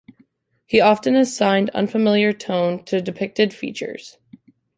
He often assigned unfamiliar tone to depicted features.